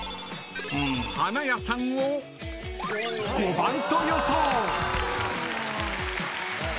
［花屋さんを５番と予想］